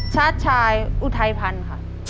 ชาติชายอุทัยพันธ์ค่ะ